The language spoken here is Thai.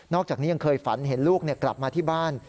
อกจากนี้ยังเคยฝันเห็นลูกกลับมาที่บ้าน